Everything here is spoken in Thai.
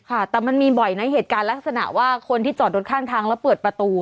ค่ะแต่มันมีบ่อยนะเหตุการณ์ลักษณะว่าคนที่จอดรถข้างทางแล้วเปิดประตู